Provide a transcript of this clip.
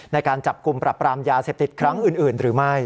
ในการจับกลุ่มปรับปรามยาเสพติดครั้งอื่นหรือไม่